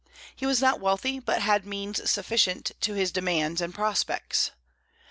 He was not wealthy, but had means sufficient to his demands and prospects.